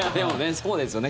そうですよね